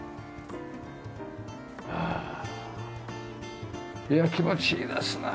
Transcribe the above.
ああいや気持ちいいですね。